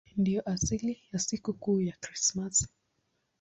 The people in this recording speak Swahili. Ndiyo asili ya sikukuu ya Krismasi.